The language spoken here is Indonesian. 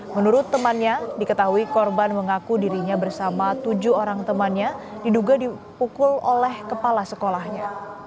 menurut temannya diketahui korban mengaku dirinya bersama tujuh orang temannya diduga dipukul oleh kepala sekolahnya